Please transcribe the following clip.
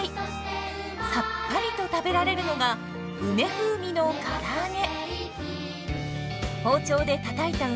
さっぱりと食べられるのが梅風味のからあげ。